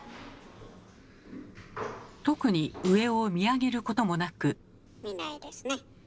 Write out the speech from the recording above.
特に上を見上げることもなく。